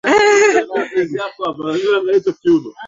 Katika maadhimisho ya uhuru wa vyombo vya habari duniani